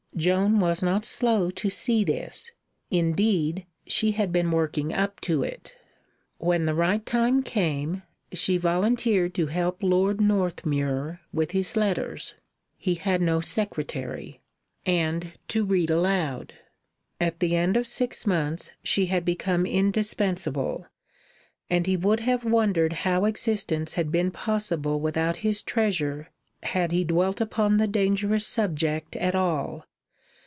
Joan was not slow to see this; indeed, she had been working up to it. When the right time came, she volunteered to help Lord Northmuir with his letters (he had no secretary) and to read aloud. At the end of six months she had become indispensable, and he would have wondered how existence had been possible without his treasure had he dwelt upon the dangerous subject at all.